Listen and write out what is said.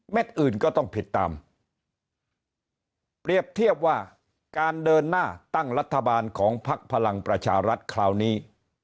อื่นก็ต้องผิดตามเปรียบเทียบว่าการเดินหน้าตั้งรัฐบาลของพักพลังประชารัฐคราวนี้